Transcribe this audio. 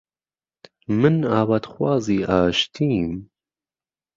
من ئاواتخوازی ئاشتیم